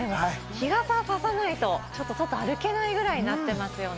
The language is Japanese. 日傘をささないと、ちょっと外歩けないぐらいになってますよね。